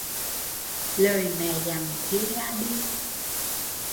Lời mẹ dặn khi ra đi